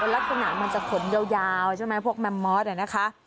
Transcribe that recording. ลักษณะมันจะขนยาวใช่ไหมพวกแมมมอสนะคะ